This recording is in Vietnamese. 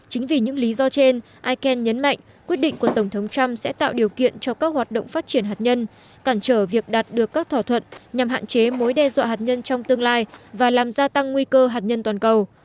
chính vì những lý do trên icelan nhấn mạnh quyết định của tổng thống trump sẽ tạo điều kiện cho các hoạt động phát triển hạt nhân cản trở việc đạt được các thỏa thuận nhằm hạn chế mối đe dọa hạt nhân trong tương lai và làm gia tăng nguy cơ hạt nhân toàn cầu